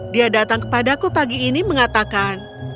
dia datang kepadaku pagi ini mengatakan